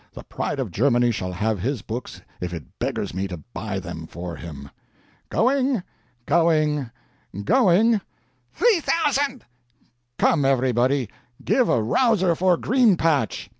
The pride of Germany shall have his books if it beggars me to buy them for him." "Going, going, going " "Three thousand!" "Come, everybody give a rouser for Green patch!"